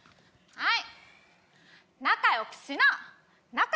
はい。